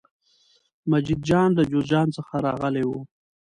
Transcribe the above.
مجید جان له جوزجان څخه راغلی و.